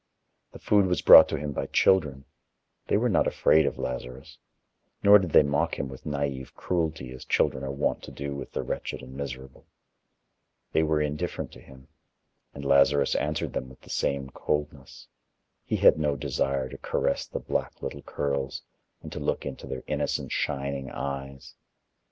The food was brought to him by children; they were not afraid of Lazarus, nor did they mock him with naive cruelty, as children are wont to do with the wretched and miserable. They were indifferent to him, and Lazarus answered them with the same coldness; he had no desire to caress the black little curls, and to look into their innocent shining eyes.